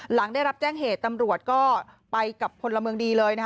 หลังได้รับแจ้งเหตุตำรวจก็ไปกับพลเมืองดีเลยนะคะ